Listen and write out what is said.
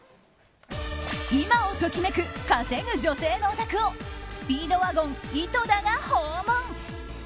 今をときめく稼ぐ女性のお宅をスピードワゴン井戸田が訪問。